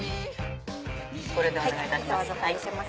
これでお願いいたします。